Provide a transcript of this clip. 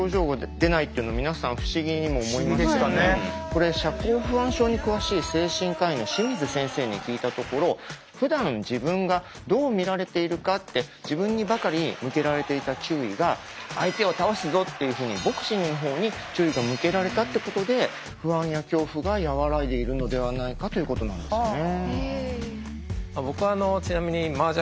これ社交不安症に詳しい精神科医の清水先生に聞いたところふだん自分がどう見られているかって自分にばかり向けられていた注意が相手を倒すぞっていうふうにボクシングの方に注意が向けられたってことで不安や恐怖が和らいでいるのではないかということなんですね。